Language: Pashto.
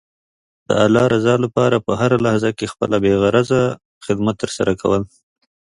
د الله رضا لپاره په هره لحظه کې خپله بې غرضه خدمت ترسره کول.